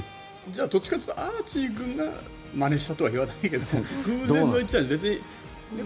じゃあどっちかっていうとアーチー君がまねしたとは言わないけど偶然の一致だよね。